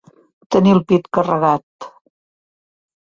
Tenir el pit carregat.